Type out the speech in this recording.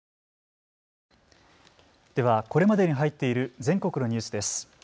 では、これまでに入っている全国のニュースです。